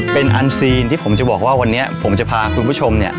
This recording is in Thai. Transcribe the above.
เป็นอันซีนที่ผมจะบอกว่าวันนี้ผมจะพาคุณผู้ชมเนี่ย